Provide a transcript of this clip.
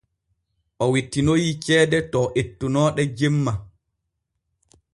O wittinoyii ceede to ettunoo ɗe jemma.